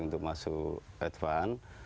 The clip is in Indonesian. untuk masuk advance